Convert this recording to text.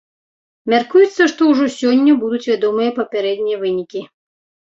Мяркуецца, што ўжо сёння будуць вядомыя папярэднія вынікі.